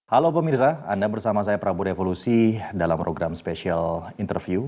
halo pemirsa anda bersama saya prabu revolusi dalam program spesial interview